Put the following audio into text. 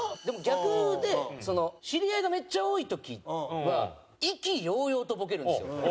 でも逆で知り合いがめっちゃ多い時は意気揚々とボケるんですよ。